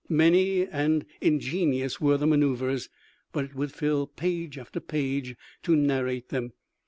Many and ingenious were the manoeuvres, but it would fill page after page to narrate them.